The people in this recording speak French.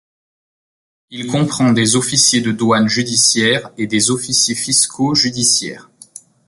Il comprend des officiers de douane judiciaire et des officiers fiscaux judiciaires.